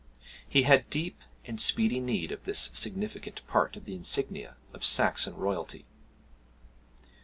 He had deep and speedy need of this significant part of the insignia of Saxon royalty.